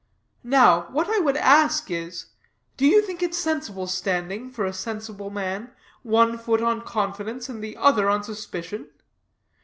Now, what I would ask is, do you think it sensible standing for a sensible man, one foot on confidence and the other on suspicion?